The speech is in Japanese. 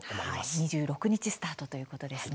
２６日スタートということですね。